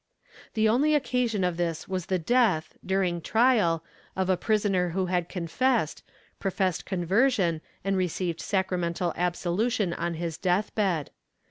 The only occasion of this was the death, during trial, of a prisoner who had confessed, professed conversion and received sacra mental absolution on his death bed.